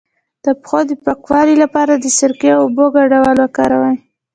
د پښو د پاکوالي لپاره د سرکې او اوبو ګډول وکاروئ